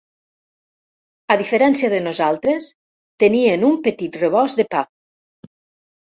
A diferència de nosaltres, tenien un petit rebost de pa